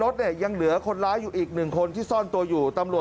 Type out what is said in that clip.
ตอนนี้ก็ยิ่งแล้ว